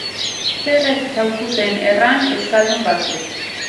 Zer ez zaukuten erran euskaldun batzuk!